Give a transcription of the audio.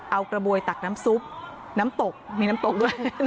เอากระบวยตักน้ำซุปน้ำตกมีน้ำตกด้วย